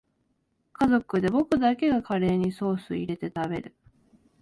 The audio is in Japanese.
家族で僕だけがカレーにソースいれて食べる